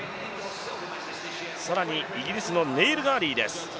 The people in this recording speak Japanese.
更にイギリスのネイル・ガーリーです。